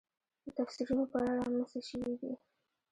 د تفسیرونو په اړه رامنځته شوې دي.